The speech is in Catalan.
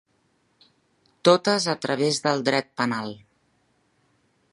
Totes a través del dret penal.